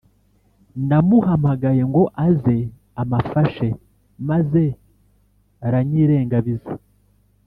namuhamagaye ngo aze amafashe maze aranyirengabiza